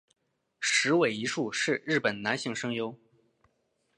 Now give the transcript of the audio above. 矢尾一树是日本男性声优。